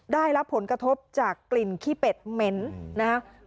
ได้รับผลกระทบจากกลิ่นขี้เป็ดเม้น